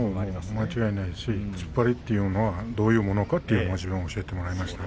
間違いないですし突っ張りというのはどういうものかっていうのを自分は教えてもらいました。